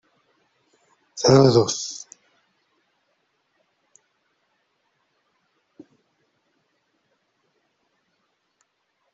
Se puede pensar en una emulación del gran Arco de Triunfo de París.